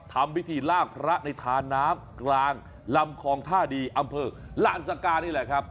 ทำพิธีลากพระในทาน้ำกลางลำคลองท่าดีอำเภอลานสกานี่แหละครับ